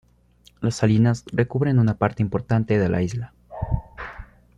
Las salinas recubren una parte importante de la isla.